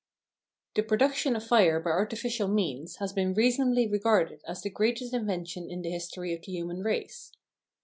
The production of fire by artificial means has been reasonably regarded as the greatest invention in the history of the human race.